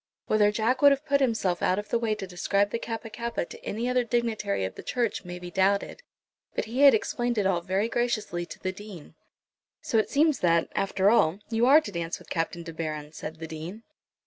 Whether Jack would have put himself out of the way to describe the Kappa kappa to any other dignitary of the Church may be doubted, but he had explained it all very graciously to the Dean. "So it seems that, after all, you are to dance with Captain De Baron," said the Dean.